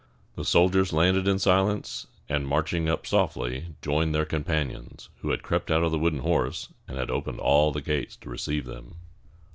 The soldiers landed in silence, and, marching up softly, joined their companions, who had crept out of the wooden horse, and had opened all the gates to receive them.